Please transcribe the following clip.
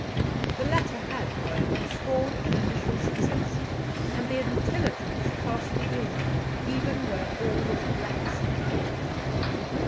The latter had, however, scored an initial success, and the intelligence cast a gloom, even where all was blackest night.